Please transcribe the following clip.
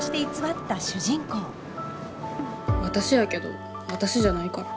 私やけど私じゃないから。